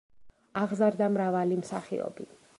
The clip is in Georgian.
აღზარდა მრავალი მსახიობი.